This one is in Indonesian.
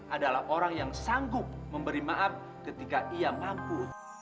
adalah orang yang sanggup memberi maaf ketika ia mampu